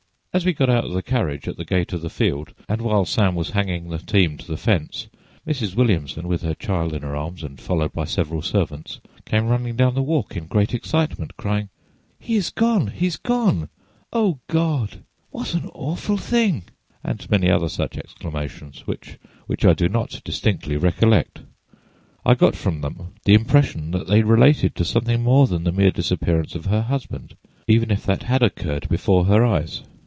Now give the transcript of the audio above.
] As we got out of the carriage at the gate of the field, and while Sam was hanging the team to the fence, Mrs. Williamson, with her child in her arms and followed by several servants, came running down the walk in great excitement, crying: 'He is gone, he is gone! O God! what an awful thing!' and many other such exclamations, which I do not distinctly recollect. I got from them the impression that they related to something more—than the mere disappearance of her husband, even if that had occurred before her eyes.